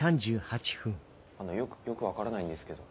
あのよくよく分からないんですけど。